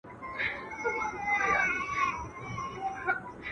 په داسي چاپېريال کي نارينه